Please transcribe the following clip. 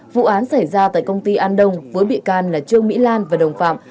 vụ án xảy ra tại công ty an đông với bị can là trương mỹ lan và đồng phạm